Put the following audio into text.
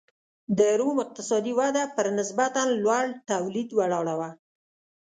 د روم اقتصادي وده پر نسبتا لوړ تولید ولاړه وه.